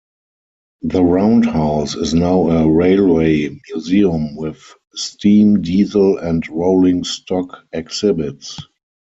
The roundhouse is now a railway museum with steam, diesel and rolling stock exhibits.